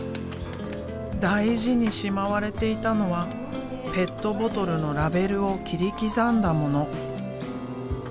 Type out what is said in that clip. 大事にしまわれていたのはペットボトルのラベルを切り刻んだもの。